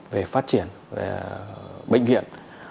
về phát triển về bệnh viện